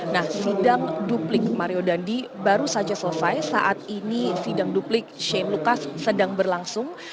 nah sidang duplik mario dandi baru saja selesai saat ini sidang duplik shane lucas sedang berlangsung